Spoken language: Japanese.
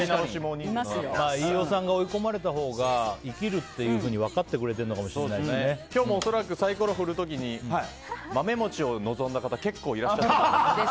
飯尾さんは追い込まれたほうが生きるっていうふうに分かってくれてるのかも今日も恐らくサイコロ振る時に豆もちを望んだ方結構いらっしゃったと思います。